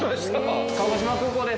鹿児島空港です。